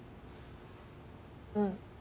うん。